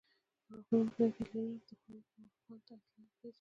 د غاښونو مصنوعي بدیلونه د خوړو خوند ته اغېز کوي.